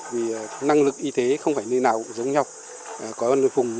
vì năng lực y tế không phải nơi nào cũng giống nhau